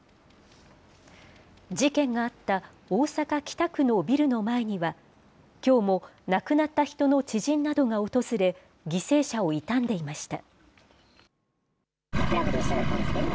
事件があった大阪・北区のビルの前には、きょうも亡くなった人の知人などが訪れ、犠牲者を悼んでいました。